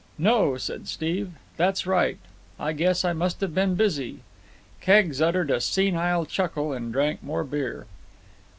"No," said Steve. "That's right. Guess I must have been busy." Keggs uttered a senile chuckle and drank more beer.